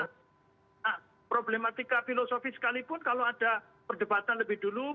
nah problematika filosofi sekalipun kalau ada perdebatan lebih dulu